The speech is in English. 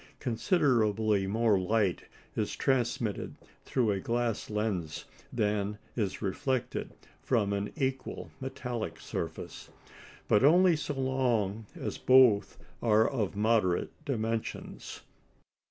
Considerably more light is transmitted through a glass lens than is reflected from an equal metallic surface. But only so long as both are of moderate dimensions.